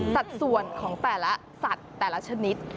สัดส่วนของแต่ละสัตว์แต่ละชนิด